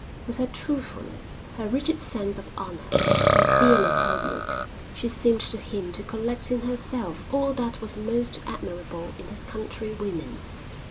With her truthfulness, her rigid sense of honour, her fearless outlook, she seemed to him to collect in herself all that was most admirable in his countrywomen.